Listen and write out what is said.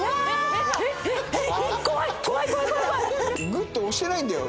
ぐっと押してないんだよ。